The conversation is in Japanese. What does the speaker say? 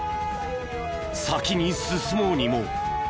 先に進もうにも。